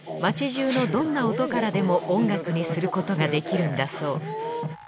街中のどんな音からでも音楽にすることができるんだそう。